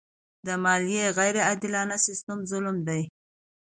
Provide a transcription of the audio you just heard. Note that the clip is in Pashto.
د مالیې غیر عادلانه سیستم ظلم دی.